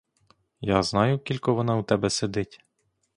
Я знаю, кілько вона у тебе сидить?